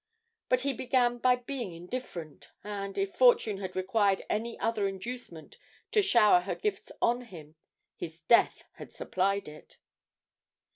But he began by being indifferent, and, if Fortune had required any other inducement to shower her gifts on him, his death had supplied it.